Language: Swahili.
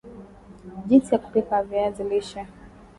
Jinsi ya kupika viazi lishe